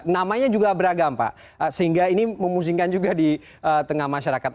namanya juga beragam pak sehingga ini memusingkan juga di tengah masyarakat